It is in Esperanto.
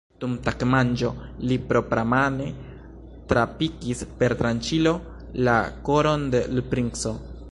Dum tagmanĝo li propramane trapikis per tranĉilo la koron de l' princo!